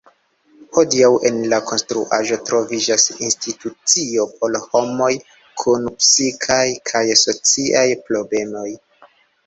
Hodiaŭ en la konstruaĵo troviĝas institucio por homoj kun psikaj kaj sociaj problemoj.